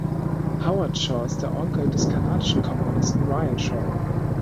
Howard Shore ist der Onkel des kanadischen Komponisten Ryan Shore.